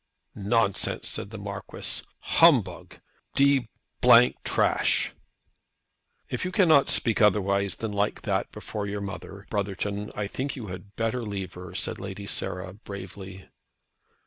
"Nonsense," said the Marquis, "humbug; d d trash." "If you cannot speak otherwise than like that before your mother, Brotherton, I think you had better leave her," said Lady Sarah, bravely.